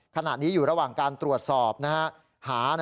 ขณะนี้อยู่ระหว่างการตรวจสอบหา